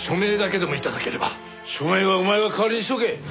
署名はお前が代わりにしとけ。